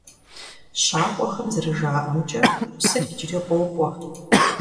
ЩакӀуэхэм зэрыжаӀэмкӀэ, псыр иджыри къокӀуэ.